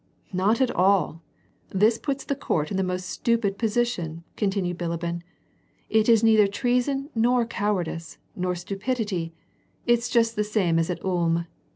"Not at all. This puts the Court in the most stupid posi tion," continued Bilibin, " it is neither treason nor cowardice, nor stupidity, it's just the same as at Ulm."